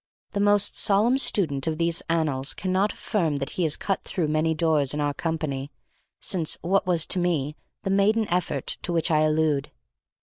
The most solemn student of these annals cannot affirm that he has cut through many doors in our company, since (what was to me) the maiden effort to which I allude.